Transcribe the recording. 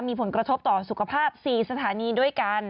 มีผลกระทบต่อสุขภาพ๔สถานีด้วยกัน